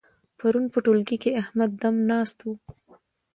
پرون په ټولګي کې احمد دم ناست وو.